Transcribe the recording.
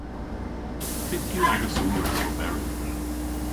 Pyth yw agas ourys oberi?